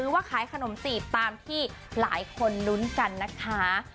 ว่าขายขนมจีบตามที่หลายคนลุ้นกันนะคะ